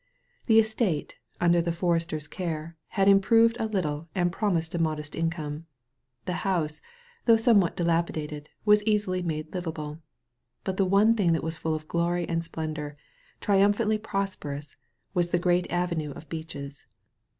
The estate, under the forester's care, had im proved a little and promised a modest income. The house, though somewhat dilapidated, was easily made livable. But the one thing that was full of glory and splendor, triumphantly prosperous, was the great avenue of beeches.